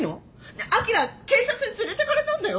ねえあきら警察に連れてかれたんだよ！